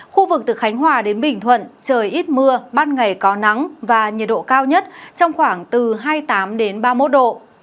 khu vực từ khánh hòa đến bình thuận trời ít mưa ban ngày có nắng và nhiệt độ cao nhất trong khoảng từ hai mươi tám ba mươi một độ